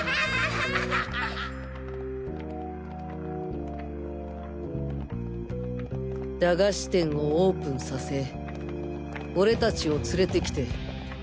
ハ駄菓子店をオープンさせ俺達を連れて来て。